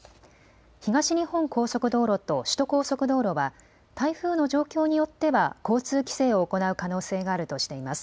東日本高速道路と首都高速道路は、台風の状況によっては、交通規制を行う可能性があるとしています。